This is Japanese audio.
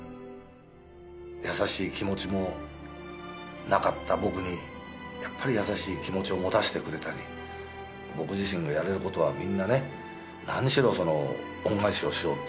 優しい気持ちもなかった僕にやっぱり優しい気持ちを持たしてくれたり僕自身がやれることはみんなねなにしろ恩返しをしようという。